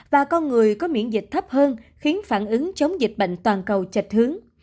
và con người có miễn dịch thấp hơn khiến phản ứng chống dịch bệnh toàn cầu chệch hướng